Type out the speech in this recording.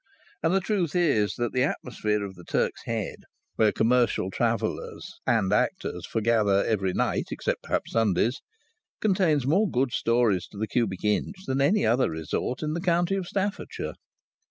And the truth is that the atmosphere of the Turk's Head, where commercial travellers and actors forgather every night except perhaps Sundays, contains more good stories to the cubic inch than any other resort in the county of Staffordshire.